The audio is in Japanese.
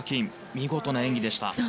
見事な演技でした。